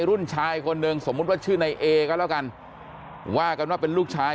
รุ่นชายคนหนึ่งสมมุติว่าชื่อในเอก็แล้วกันว่ากันว่าเป็นลูกชาย